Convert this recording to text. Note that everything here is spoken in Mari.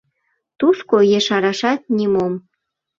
Тушко ешарашат нимом.